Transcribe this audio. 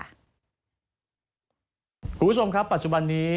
คุณผู้ชมครับปัจจุบันนี้